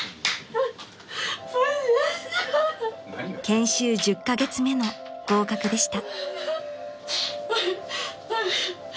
［研修１０カ月目の合格でした］